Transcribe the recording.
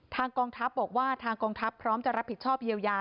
กองทัพบอกว่าทางกองทัพพร้อมจะรับผิดชอบเยียวยา